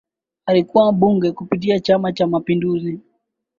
Alikua mbunge kupitia chama Cha Mapinduzi